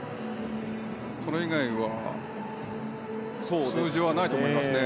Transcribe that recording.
それ以外は通常はないと思いますね。